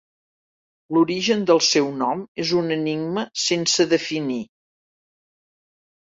L'origen del seu nom és un enigma sense definir.